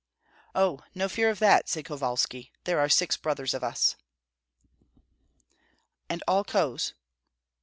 "Oh, no fear of that!" said Kovalski; "there are six brothers of us." "And all Rohs?"